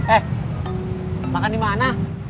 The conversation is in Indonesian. eh makan di mana